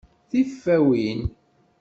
Tifawin!